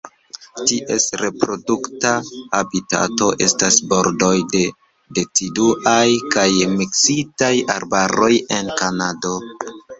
Ties reprodukta habitato estas bordoj de deciduaj kaj miksitaj arbaroj en Kanado.